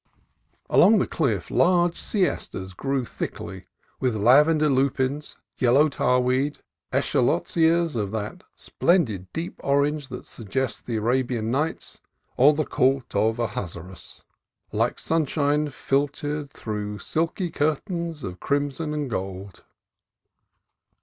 Along the cliff large sea asters grew thickly, with lavender lupines, yellow tar weed, and eschscholtzias of that splendid deep orange that suggests the Arabian Nights, or the court of Ahasuerus; like sunshine filtered through silken curtains of crimson and gold.